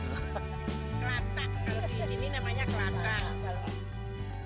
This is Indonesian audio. yes kelantang kalau di sini namanya kelantang